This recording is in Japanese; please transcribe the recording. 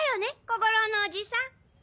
小五郎のおじさん。